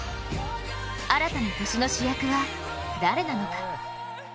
新たな年の主役は、誰なのか。